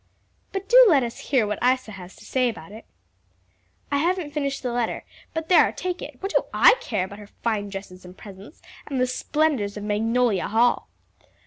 "But do let us hear what Isa has to say about it." "I haven't finished the letter; but there, take it; what do I care about her fine dresses and presents, and the splendors of Magnolia Hall?"